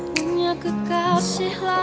suci lama banget sih